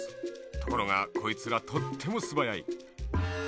ところがこいつがとってもすばやい。